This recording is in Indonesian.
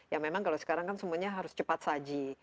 ya memang kalau sekarang kan semuanya harus cepat saji